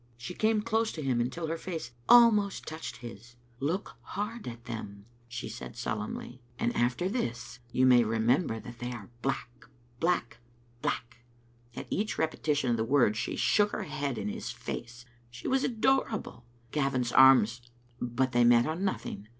She came close to him until her face almost touched his. Digitized by VjOOQ IC 100 tCbe Xittle Afnteter. "Look hard at them," she said, solemnly, "and after this you may remember that they are black, black, black!" At each repetition of the word she shook her head in his face. She was adorable. Gavin's arms — but they met on nothing.